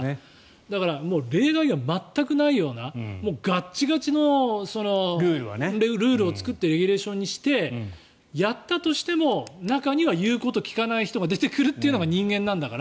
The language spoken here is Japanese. だから、例外が全くないようなガッチガチのルールを作ってレギュレーションにしてやっても中には言うことを聞かない人が出てくるというのが人間なんだから。